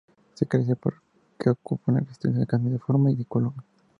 Se caracteriza porque opone resistencia a cambios de forma y de volumen.